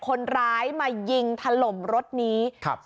คนร้ายมายิงถล่มรถนี้ครับ